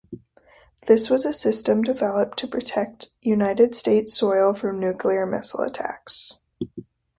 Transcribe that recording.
This was a system developed to protect United States soil from nuclear missile attacks.